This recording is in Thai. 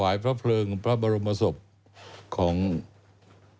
รัชกาลที่เก้าซึ่งเป็นพระมหากษัตริย์ที่อยู่ในโดงใจของทุกผู้คน